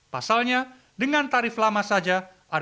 pasalnya dengan tarif lama saja